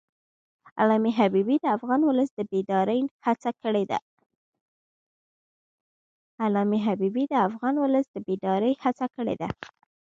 علامه حبیبي د افغان ولس د بیدارۍ هڅه کړې ده.